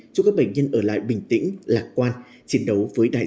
chúc các bệnh nhân ở lại bình tĩnh lạc quan chiến đấu với đại dịch và quyết thắng